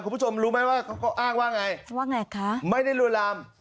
คุณผู้ชมรู้ไหมว่าเขาก็อ้างว่าไงว่าไงคะไม่ได้ลวนลาม